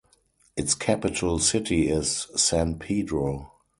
Its capital city is San Pedro.